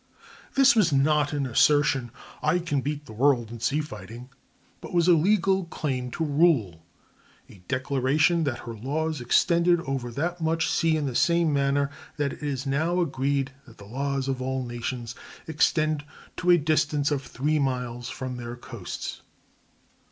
This was not an assertion: "I can beat the world in sea fighting," but was a legal claim to rule—a declaration that her laws extended over that much sea in the same manner that it is now agreed that the laws of all nations extend to a distance of three miles from their coasts.